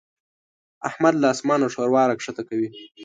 احمد له اسمانه ښوروا راکښته کوي.